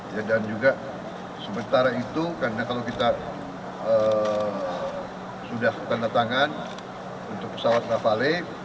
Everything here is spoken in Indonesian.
dan juga sementara itu karena kalau kita sudah tanda tangan untuk pesawat rafale